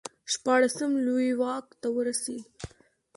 شپاړسم لویي واک ته ورسېد.